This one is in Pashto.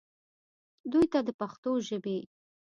دوي ته د پښتو ژبې